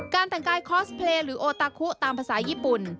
แต่งกายคอสเพลย์หรือโอตาคุตามภาษาญี่ปุ่น